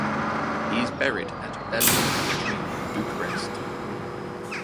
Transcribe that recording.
He is buried at Bellu Cemetery in Bucharest.